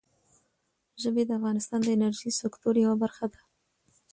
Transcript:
ژبې د افغانستان د انرژۍ سکتور یوه برخه ده.